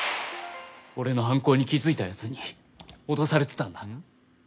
俺の犯行に気づいたヤツに脅されてたんだ・